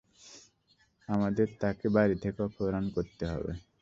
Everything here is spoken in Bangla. আমাদের তাকে বাড়ি থেকে অপহরণ করতে হবে।